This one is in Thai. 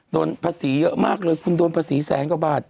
ภาษีเยอะมากเลยคุณโดนภาษีแสนกว่าบาท